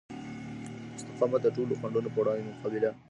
استقامت د ټولو خنډونو په وړاندې مقابله ممکنوي.